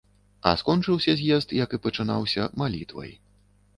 А скончыўся з'езд, як і пачынаўся, малітвай.